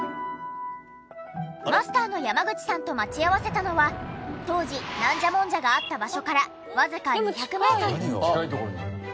マスターの山口さんと待ち合わせたのは当時なんじゃもんじゃがあった場所からわずか２００メートル。